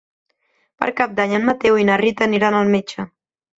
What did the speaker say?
Per Cap d'Any en Mateu i na Rita aniran al metge.